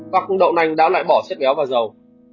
các đậu nành đã lại bỏ xếp béo vào dầu